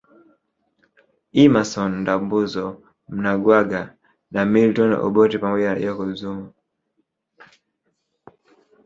Emmason Ndambuzo Mnangagwa na Milton Obote pamoja na Jacob Zuma